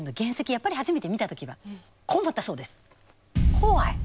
やっぱり初めて見た時はこう思ったそうです。